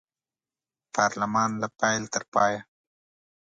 پارلمان له پیل تر پایه